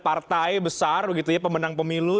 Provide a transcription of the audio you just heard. partai besar pemenang pemilu